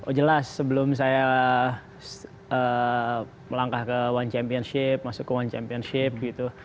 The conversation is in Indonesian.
oh jelas sebelum saya melangkah ke one championship masuk ke one championship gitu